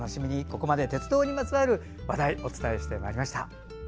ここまで鉄道にちなんだ話題をお伝えしてまいりました。